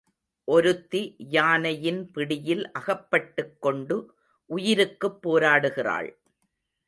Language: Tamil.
ஒருத்தி யானையின் பிடியில் அகப்பட்டுக் கொண்டு உயிருக்குப் போராடுகிறாள்.